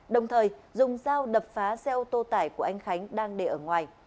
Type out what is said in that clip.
đồng thời dùng dao đập phá xe ô tô tải của anh khánh đang để ở ngoài